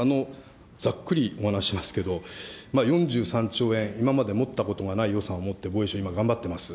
ざっくりお話しますけど、４３兆円、今まで持ったことがない予算を持って、今、防衛省頑張っています。